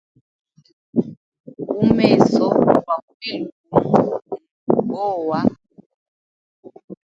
Umeso kwa kwile gumo, mume gowa.